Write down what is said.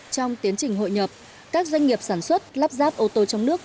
trong tiến trình hội nhập các doanh nghiệp sản xuất lắp ráp ô tô trong nước